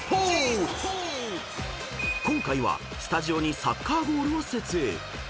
［今回はスタジオにサッカーゴールを設営］